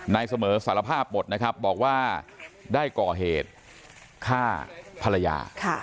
นายเสมอสารภาพหมดนะครับบอกว่าได้ก่อเหตุฆ่าภรรยา